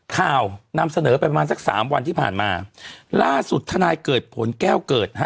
นำเสนอไปประมาณสักสามวันที่ผ่านมาล่าสุดธนายเกิดผลแก้วเกิดฮะ